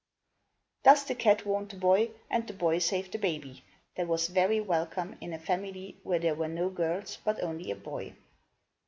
Thus the cat warned the boy, and the boy saved the baby, that was very welcome in a family where there were no girls, but only a boy.